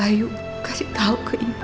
ayu kasih tau ke ibu